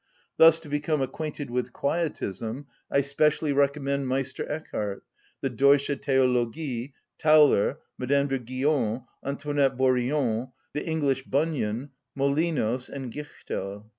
Thus to become acquainted with quietism I specially recommend Meister Eckhard, the "Deutsche Theologie," Tauler, Madame de Guion, Antoinette Bourignon, the English Bunyan, Molinos(50) and Gichtel.